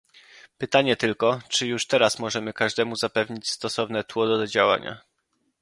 Pytanie tylko, czy już teraz możemy każdemu zapewnić stosowne tło do działania